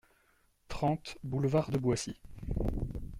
trente boulevard de Boissy